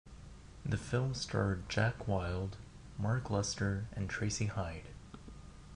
The film starred Jack Wild, Mark Lester and Tracy Hyde.